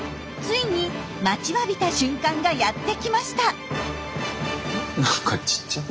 ついに待ちわびた瞬間がやってきました。